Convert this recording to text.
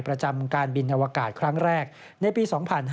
ประจำการบินอวกาศครั้งแรกในปี๒๕๕๙